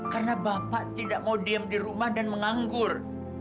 karena bapak tidak mau diam di rumah dan menganggur